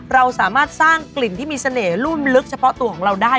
เราสามารถสร้างกลิ่นที่มีเสน่ห์รุ่มลึกเฉพาะตัวของเราได้